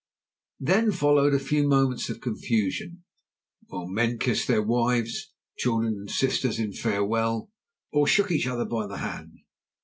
Then followed a few moments of confusion while men kissed their wives, children and sisters in farewell, or shook each other by the hand.